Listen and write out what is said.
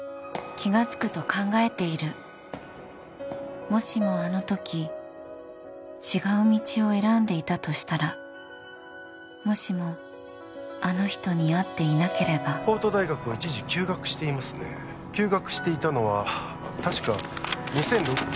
気がつくと考えているもしもあの時違う道を選んでいたとしたらもしもあの人に会っていなければ法都大学を一時休学していますね休学していたのは確か２００６